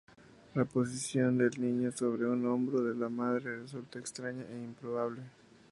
La posición del niño sobre un hombro de la madre resulta extraña e improbable.